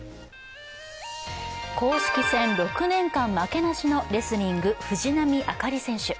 公式戦６年間負けなしのレスリング・藤波朱理選手。